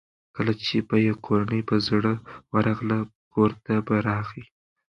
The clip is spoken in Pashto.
کله چې به یې کورنۍ په زړه ورغله کورته به راغی.